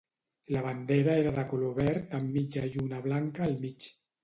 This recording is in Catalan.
La bandera era de color verd amb mitja lluna blanca al mig.